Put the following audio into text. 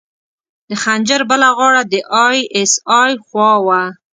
د خنجر بله غاړه د ای اس ای خوا وه.